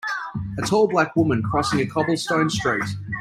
A tall black woman crossing a cobblestone street.